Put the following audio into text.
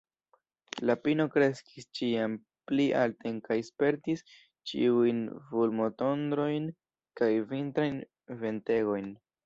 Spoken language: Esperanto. La pino kreskis ĉiam pli alten kaj spertis ĉiujn fulmotondrojn kaj vintrajn ventegojn.